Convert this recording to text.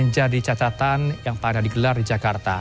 jadi catatan yang pada digelar di jakarta